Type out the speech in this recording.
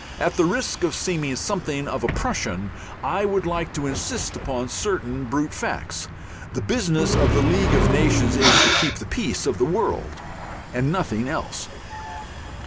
At the risk of seeming something of a Prussian, I would like to insist upon certain brute facts. The business of the League of Nations is to keep the peace of the world and nothing else.